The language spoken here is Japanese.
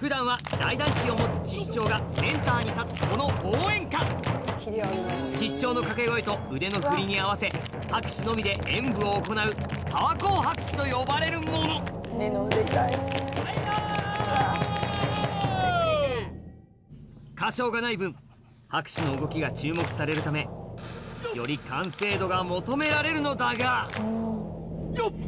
普段は大団旗を持つ旗手長がセンターに立つこの応援歌旗手長の掛け声と腕の振りに合わせ拍手のみで演舞を行う川高拍手と呼ばれるもの歌唱がない分拍手の動きが注目されるためより完成度が求められるのだがよっ！